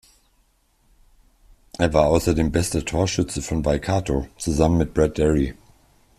Er war außerdem bester Torschütze von Waikato, zusammen mit Brett Derry.